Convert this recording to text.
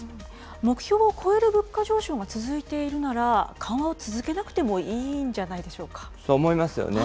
目標を超える物価上昇が続いているなら、緩和を続けなくてもそう思いますよね。